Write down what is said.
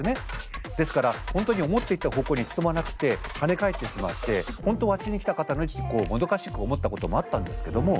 ですから本当に思っていた方向に進まなくて跳ね返ってしまって本当はあっちに行きたかったのにってこうもどかしく思ったこともあったんですけども。